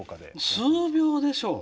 数秒でしょう。